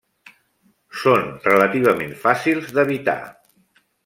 Són relativament fàcils d'evitar.